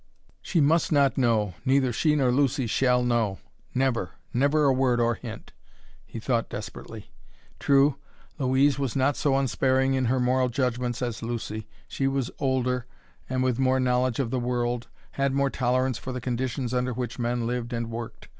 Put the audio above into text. "She must not know neither she nor Lucy shall know never never a word or hint," he thought desperately. True, Louise was not so unsparing in her moral judgments as Lucy; she was older, and, with more knowledge of the world, had more tolerance for the conditions under which men lived and worked.